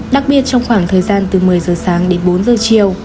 đặc biệt trong khoảng thời gian từ một mươi giờ sáng đến bốn giờ chiều